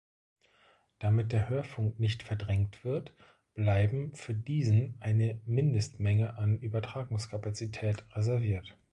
Damit der Hörfunk nicht verdrängt wird, bleiben für diesen eine Mindestmenge an Übertragungskapazität reserviert.